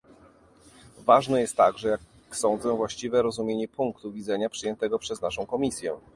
Ważne jest także, jak sądzę, właściwe zrozumienie punktu widzenia przyjętego przez naszą komisję